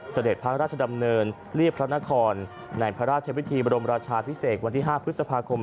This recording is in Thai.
เสด็จพระราชดำเนินเรียบพระนครในพระราชวิธีบรมราชาพิเศษวันที่๕พฤษภาคม